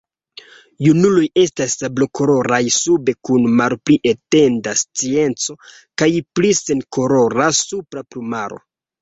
Junuloj estas sablokoloraj sube kun malpli etenda strieco kaj pli senkolora supra plumaro.